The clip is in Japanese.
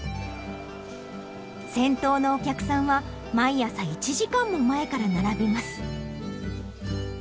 先頭のお客さんは毎朝１時間も前から並びます。